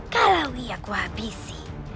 kalau ia kuahabisi